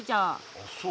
あっそう？